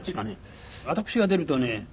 私が出るとね